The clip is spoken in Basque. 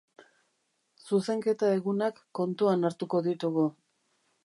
Zuzenketa egunak kontuan hartuko ditugu.